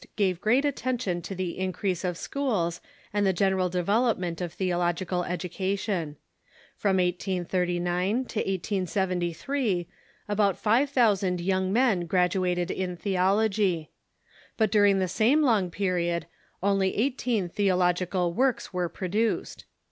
gave great attention to the increase of schools and the general develop ment of theological education. From 1839 to 1873 about five thousand young men graduated in theology. But during the same long period only eighteen theological works were pro duced.